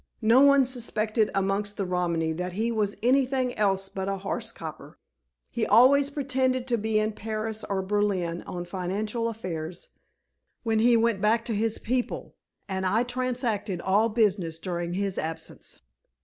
No one suspected amongst the Romany that he was anything else but a horse coper. He always pretended to be in Paris, or Berlin, on financial affairs, when he went back to his people, and I transacted all business during his absence."